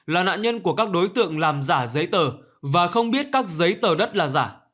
là nạn nhân của các đối tượng làm giả giấy tờ và không biết các giấy tờ đất là giả